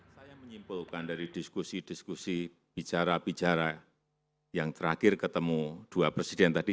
saya menyimpulkan dari diskusi diskusi bicara bicara yang terakhir ketemu dua presiden tadi